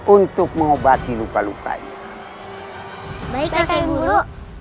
untuk mengobati luka lukanya baik baiknya guru